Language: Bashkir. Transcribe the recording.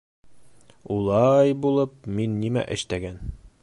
Ула-ай булып, мин нимә эштәгән?